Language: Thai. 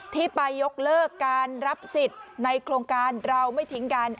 ที่ไปยกเลิกการรับสิทธิ์ในโครงการเราไม่ทิ้งกัน